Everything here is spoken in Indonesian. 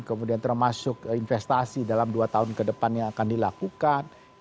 kemudian termasuk investasi dalam dua tahun kedepannya akan berlangsung